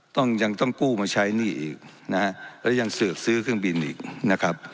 ต้องยังต้องกู้มาใช้หนี้อีกนะฮะแล้วยังเสิร์ฟซื้อเครื่องบินอีกนะครับ